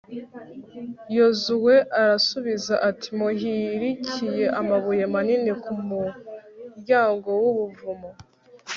yozuwe arasubiza ati muhirikire amabuye manini ku muryango w'ubuvumo